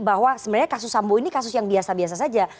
bahwa sebenarnya kasus sambo ini kasus yang biasa biasa saja